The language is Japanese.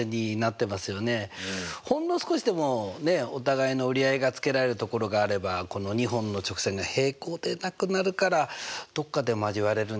ほんの少しでもお互いの折り合いがつけられるところがあればこの２本の直線が平行でなくなるからどっかで交われるんじゃないですかね。